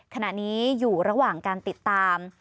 ขณะนี้อยู่ระหว่างการติดตาม